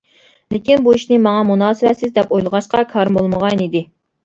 لېكىن بۇ ئىشنى ماڭا مۇناسىۋەتسىز دەپ ئويلىغاچقا كارىم بولمىغانىدى.